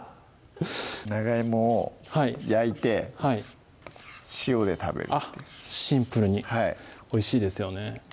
長いもを焼いて塩で食べるあっシンプルにおいしいですよね